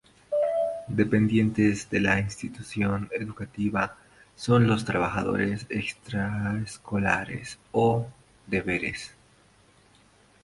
Dependientes de la institución educativa son los trabajos extraescolares o "deberes".